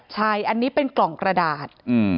ใช่อันนี้เป็นกล่องกระดาษ